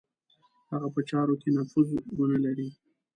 هغه په چارو کې نفوذ ونه لري.